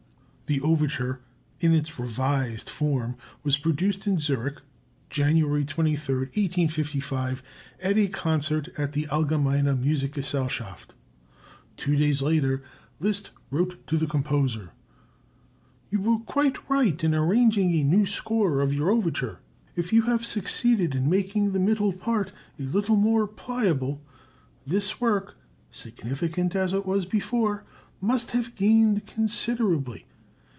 The overture, in its revised form, was produced in Zurich, January 23, 1855, at a concert of the Allgemeine Musikgesellschaft. Two days later, Liszt wrote to the composer: "You were quite right in arranging a new score of your overture. If you have succeeded in making the middle part a little more pliable, this work, significant as it was before, must have gained considerably.